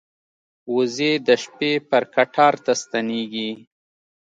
وزې د شپې پر کټار ته ستنېږي